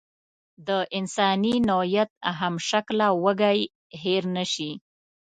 د انساني نوعیت همشکله وږی هېر نشي.